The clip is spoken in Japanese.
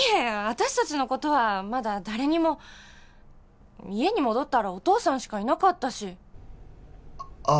私達のことはまだ誰にも家に戻ったらお父さんしかいなかったしあ